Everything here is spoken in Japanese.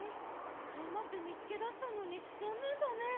がんばってみつけだしたのにざんねんだね。